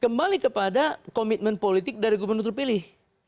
kembali kepada komitmen politik dari gubernur terpilih